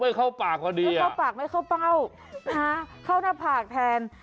ไม่เข้าปากไม่เข้าเป้าเข้าหน้าผากแทน